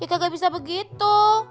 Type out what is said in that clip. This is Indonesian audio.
ya kagak bisa begitu